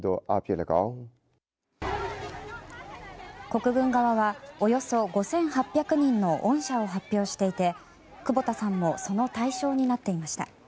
国軍側はおよそ５８００人の恩赦を発表していて久保田さんもその対象になっていました。